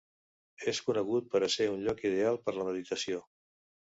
És conegut per ser un lloc ideal per la meditació.